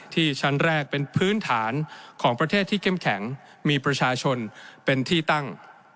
ชั้นแรกเป็นพื้นฐานของประเทศที่เข้มแข็งมีประชาชนเป็นที่ตั้ง